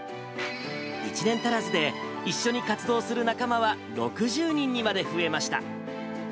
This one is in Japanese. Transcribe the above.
１年足らずで、一緒に活動する仲間は６０人にまで増えました。